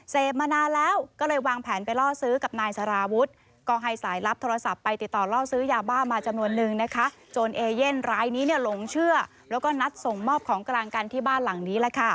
เซฟมานานแล้วก็เลยวางแผนไปล่อซื้อกับนายสาราวุฒิ